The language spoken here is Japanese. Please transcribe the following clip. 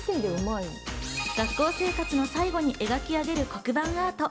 学校生活の最後に描き上げる黒板アート。